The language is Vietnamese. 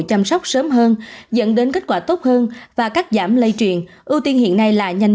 chăm sóc sớm hơn dẫn đến kết quả tốt hơn và cắt giảm lây truyền ưu tiên hiện nay là nhanh